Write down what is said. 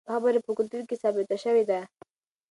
دا خبره په کلتور کې ثابته شوې ده.